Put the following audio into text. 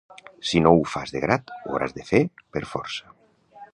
Si no ho fas de grat, ho hauràs de fer per força.